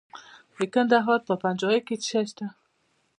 د کندهار په پنجوايي کې څه شی شته؟